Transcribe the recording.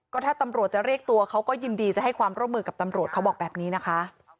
ก็ถ้าตำรวจจะเรียกตัวเขาก็ยินดีจะให้ความร่วมมือกับตำรวจเขาบอกแบบนี้นะคะ